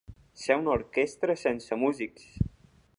Ser una orquestra sense músics.